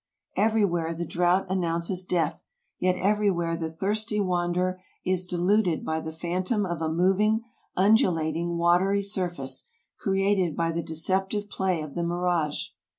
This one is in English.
Everywhere the drought announces death, yet everywhere AMERICA 175 the thirsty wanderer is deluded by the phantom of a moving, undulating, watery surface, created by the deceptive play of the mirage.